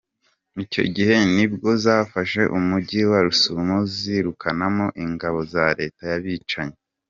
Icyo gihe ni bwo zafashe Umujyi wa Rusumo zirukanamo ingabo za leta y’abicanyi.